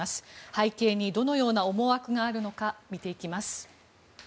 背景にどのような思惑があるのか見ていきます。